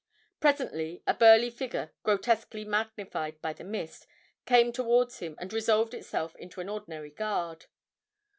Presently a burly figure, grotesquely magnified by the mist, came towards him, and resolved itself into an ordinary guard.